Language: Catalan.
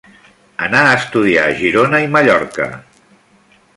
Anà a estudiar a Girona i Mallorca.